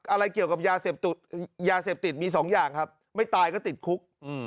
อะไรเกี่ยวกับยาเสพติดมีสองอย่างครับไม่ตายก็ติดคุก